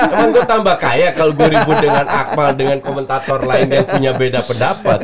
emang gue tambah kaya kalau gue ribut dengan akmal dengan komentator lain yang punya beda pendapat